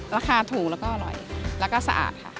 ราคาถูกแล้วก็อร่อยแล้วก็สะอาดค่ะ